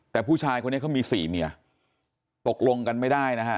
แต่ผู้ชายคนนี้เขามีสี่เมียตกลงกันไม่ได้นะฮะ